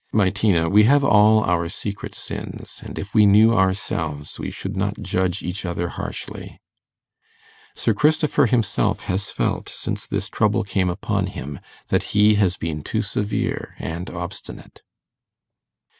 'My Tina, we have all our secret sins; and if we knew ourselves, we should not judge each other harshly. Sir Christopher himself has felt, since this trouble came upon him, that he has been too severe and obstinate.